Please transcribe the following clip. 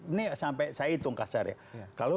ini sampai saya hitung kasarnya kalau